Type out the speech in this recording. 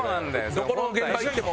どこの現場行っても。